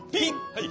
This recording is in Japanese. はい。